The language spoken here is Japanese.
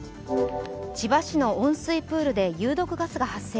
千葉市の温水プールで有毒ガスが発生。